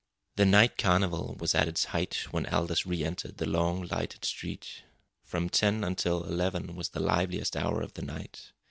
The night carnival was at its height when Aldous re entered the long, lighted street. From ten until eleven was the liveliest hour of the night.